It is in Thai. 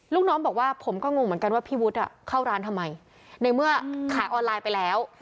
ลูกน้องบอกว่าผมก็งงเหมือนกันว่าพี่วุฒิเข้าร้านทำไมในเมื่อขายออนไลน์ไปแล้ว